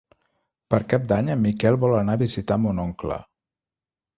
Per Cap d'Any en Miquel vol anar a visitar mon oncle.